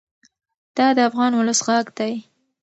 دا د افغان ولس غږ دی.